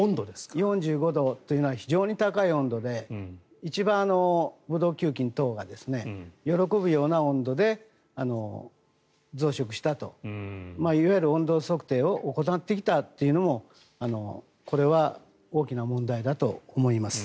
４５度というのは非常に高い温度で一番ブドウ球菌等が喜ぶような温度で増殖したと。いわゆる温度測定を怠っていたというのもこれは大きな問題だと思います。